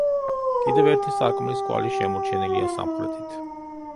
კიდევ ერთი სარკმლის კვალი შემორჩენილია სამხრეთით.